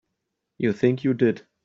You think you did.